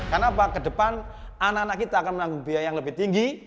karena apa kedepan anak anak kita akan menanggung biaya yang lebih tinggi